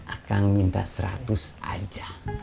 akang minta seratus aja